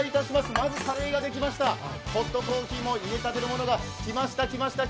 まずカレーができましたホットコーヒーも入れ立てのものが来ました。